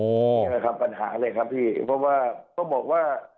นี่แหละครับปัญหาเลยครับพี่เพราะว่าต้องบอกว่า